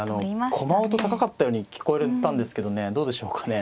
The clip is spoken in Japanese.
駒音高かったように聞こえたんですけどねどうでしょうかね。